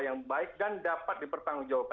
yang baik dan dapat dipertanggung jawab